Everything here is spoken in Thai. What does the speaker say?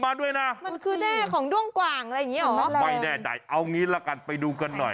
ไม่แน่ใจเอางี้ละกันไปดูกันหน่อย